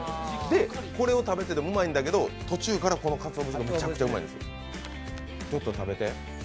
で、これを食べててうまいんだけど途中からこのかつお節でめちゃめちゃうまいんですよ。